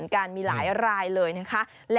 สวัสดีครับสวัสดีครับ